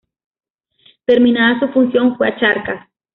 Terminada su función, fue a Charcas.